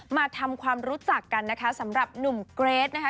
มาทำความรู้จักกันนะคะสำหรับหนุ่มเกรทนะคะ